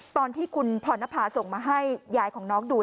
ตอนที่คุณพรณภาส่งมาให้ยายของน้องดู